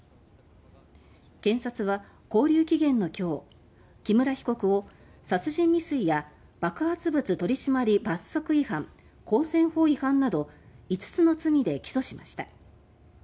検察は勾留期限の今日木村被告を殺人未遂や爆発物取締罰則違反公選法違反など５つの罪で起訴しました。